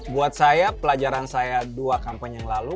buat saya pelajaran saya dua kampanye yang lalu